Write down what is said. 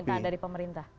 pemintaan dari pemerintah